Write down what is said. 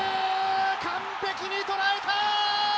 完璧に捉えた！